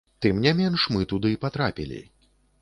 Тым не менш, мы туды патрапілі.